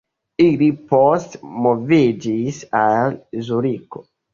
Ili poste moviĝis al Zuriko.